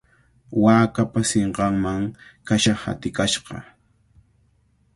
Waakapa sinqanman kasha hatikashqa.